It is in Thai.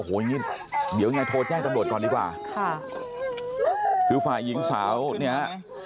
โอ้โหอย่างงี้เดี๋ยวยังไงโทรแจ้งตำรวจก่อนดีกว่าค่ะคือฝ่ายหญิงสาวเนี่ยฮะ